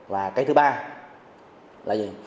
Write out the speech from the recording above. và cái thứ ba là